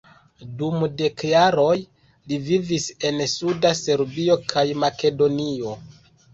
Dum dek jaroj li vivis en suda Serbio kaj Makedonio.